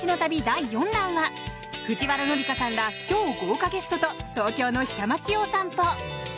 第４弾は藤原紀香さんら超豪華ゲストと東京の下町をお散歩。